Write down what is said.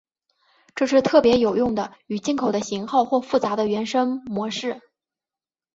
这是特别有用的与进口的型号或复杂的原生模式。